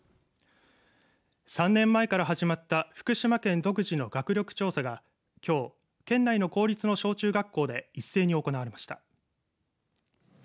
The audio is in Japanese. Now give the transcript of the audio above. ３年前から始まった福島県独自の学力調査がきょう、県内の公立の小中学校で一斉に行われました。